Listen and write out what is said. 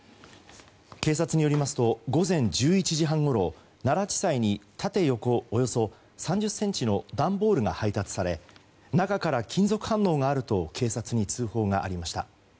警察によりますと午前１１時半ごろ奈良地裁に縦横およそ３０ｃｍの段ボールが配達され中から金属反応があると警察に通報がありました。